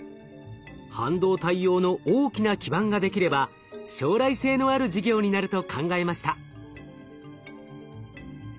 半導体用の大きな基板が出来れば将来性のある事業になると考えました。